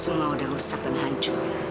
semua sudah rusak dan hancur